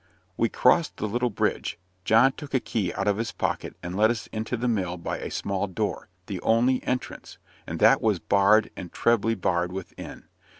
We crossed the little bridge; John took a key out of his pocket, and let us into the mill by a small door the only entrance, and that was barred and trebly barred within.